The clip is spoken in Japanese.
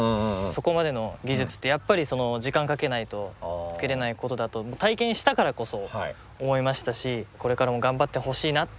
そこまでの技術ってやっぱり時間かけないとつけれないことだと体験したからこそ思いましたしこれからも頑張ってほしいなっていう。